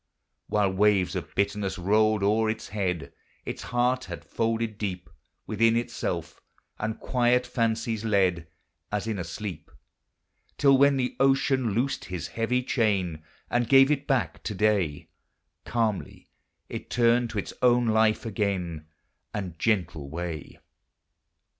254 THE HIGHER LIFE. While waves of bitterness rolled o'er its head, Its heart had folded deep Within itself, and quiet fancies led, As in a sleep; Till, when the ocean loosed his heavy chain, And gave it back to day, Calmly it turned to its own life again And gentle way.